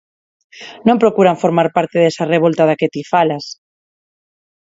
Non procuran formar parte desa revolta da que ti falas.